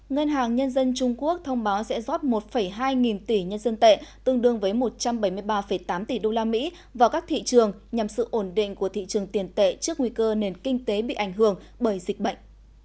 ngân hàng nhân dân trung quốc thông báo sẽ rót một hai nghìn tỷ nhân dân tệ tương đương với một trăm bảy mươi ba tám tỷ usd vào các thị trường nhằm sự ổn định của thị trường tiền tệ trước nguy cơ nền kinh tế bị ảnh hưởng bởi dịch bệnh